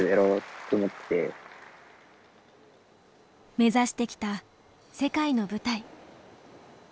目指してきた世界の舞台。